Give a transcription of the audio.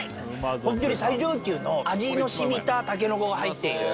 ホントに最上級の味の染みたタケノコが入っている。